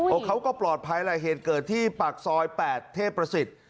โอ้เขาก็ปลอดภัยนะเหตุเกิดที่ปากซอย๘เทพภศิษฐ์